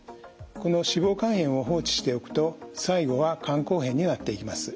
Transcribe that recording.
この脂肪肝炎を放置しておくと最後は肝硬変になっていきます。